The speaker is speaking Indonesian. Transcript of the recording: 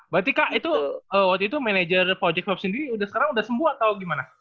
berarti kak waktu itu manajer project pop sendiri sekarang udah sembuh atau gimana